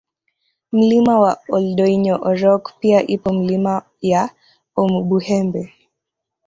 Mlima wa Oldoinyo Orok pia ipo Milima ya Omubuhembe